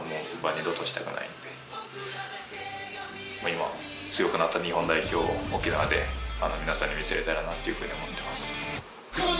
今強くなった日本代表を沖縄で皆さんに見せれたらなっていう風に思ってます。